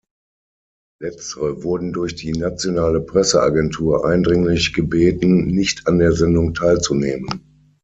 Letztere wurden durch die nationale Presseagentur eindringlich gebeten, nicht an der Sendung teilzunehmen.